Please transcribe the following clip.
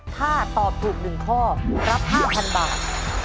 ถ้าตอบถูก๑ข้อรับ๕๐๐๐บาท